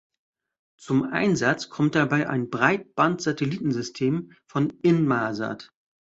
Zum Einsatz kommt dabei ein Breitband-Satellitensystem von Inmarsat.